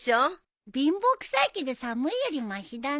貧乏くさいけど寒いよりましだね。